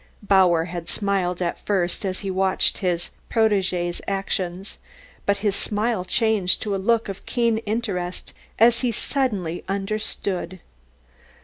Bauer had smiled at first as he watched his protege's actions, but his smile changed to a look of keen interest as he suddenly understood.